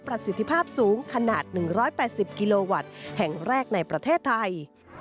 ประสิทธิภาพสูงขนาด๑๘๐กิโลวัตต์แห่งแรกในประเทศไทย